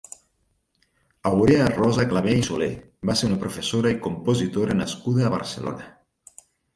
Aurea Rosa Clavé i Soler va ser una professora i compositora nascuda a Barcelona.